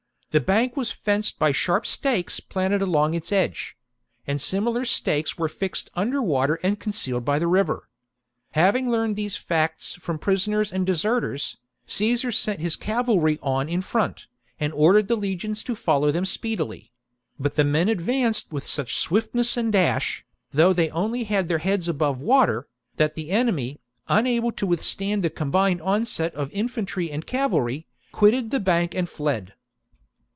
The bank was fenced by sharp stakes planted along its edge ; and similar stakes werd fixed under water and concealed by the river. Having learned these facts from prisoners and ^ deserters, Caesar sent his cavalry on in front, and ordered the legions to follow them speedily ; but the men advanced with such swiftness and dash, though they only had their heads above water, that the enemy, unable to withstand the combined onset of infantry and cavalry, quitted the bank and fled.'